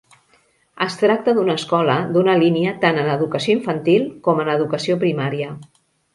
Es tracte d'una escola d'una línia tant en educació infantil com en educació primària.